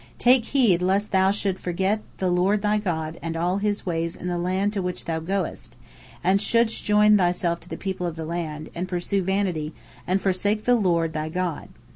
Take heed lest thou shouldst forget the Lord thy God and all His ways in the land to which thou goest, and shouldst join thyself to the people of the land, and pursue vanity, and forsake the Lord thy God.